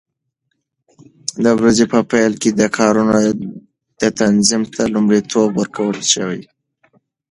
د ورځې په پیل کې د کارونو تنظیم ته لومړیتوب ورکړل شي.